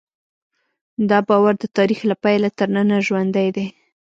دا باور د تاریخ له پیله تر ننه ژوندی دی.